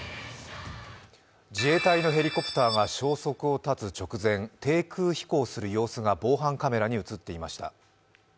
自衛隊のヘリコプターが消息を絶つ直前低空飛行する様子が防犯カメラに映っていました。